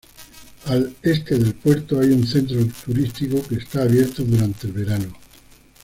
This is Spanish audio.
Al este del puerto, hay un centro turístico que está abierto durante el verano.